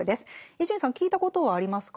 伊集院さん聞いたことはありますか？